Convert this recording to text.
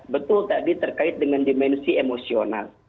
betul tadi terkait dengan dimensi emosional